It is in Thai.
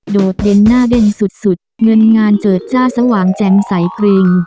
โดดเด่นหน้าเด่นสุดเงินงานเจิดจ้าสว่างแจ่มใสพรึง